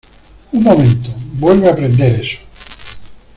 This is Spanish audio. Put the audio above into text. ¡ Un momento! ¡ vuelve a prender eso !